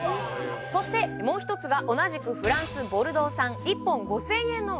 そしてもう一つが同じくフランス・ボルドー産１本５０００円のワインです